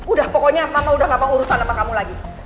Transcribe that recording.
udah pokoknya mama udah gak mau urusan sama kamu lagi